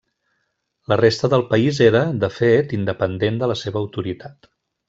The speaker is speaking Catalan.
La resta del país era, de fet, independent de la seva autoritat.